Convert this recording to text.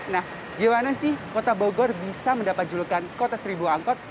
nah gimana sih kota bogor bisa mendapat julukan kota seribu angkot